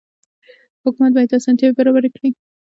حکومت باید اسانتیاوې برابرې کړي.